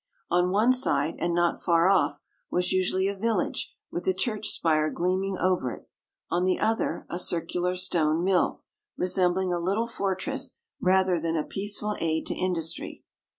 On one side, and not far off, was usually a village with a church spire gleaming over it; on the other a circular stone mill, resembling a little fortress rather than a peaceful aid to industry.